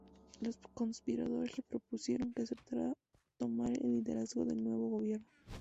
Los conspiradores le propusieron que aceptara tomar el liderazgo del nuevo gobierno.